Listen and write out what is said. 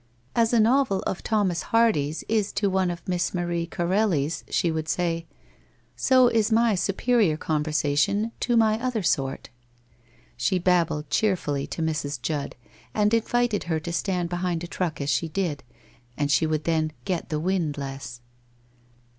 * As a novel of Thomas Hardy's is to one of Miss Marie Corelli's,' she would say, ' so is my superior conversation to my other sort.' She babbled cheerfully to Mrs. Judd and invited her to stand behind a truck as she did, and she would then ' get ' the wind less.